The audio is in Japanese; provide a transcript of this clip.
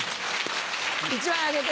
１枚あげて。